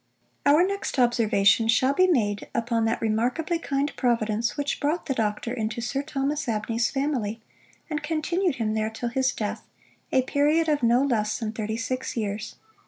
"Our next observation shall be made upon that remarkably kind providence which brought the doctor into Sir Thomas Abney's family, and continued him there till his death, a period of no less than thirty six years.